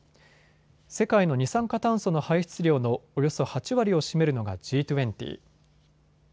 世界の二酸化炭素の排出量のおよそ８割を占めるのがＧ２０。